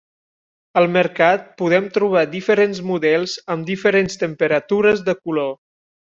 Al mercat podem trobar diferents models amb diferents temperatures de color.